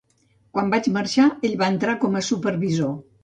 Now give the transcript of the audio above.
Quan vaig marxar, ell va entrar com a supervisor.